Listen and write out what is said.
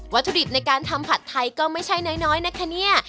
ถุดิบในการทำผัดไทยก็ไม่ใช่น้อยนะคะเนี่ย